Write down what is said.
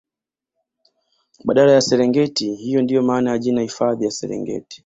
baadala ya serengiti hiyo ndio maana ya jina hifadhi ya Serengeti